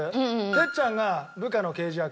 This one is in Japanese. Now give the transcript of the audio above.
哲ちゃんが部下の刑事役。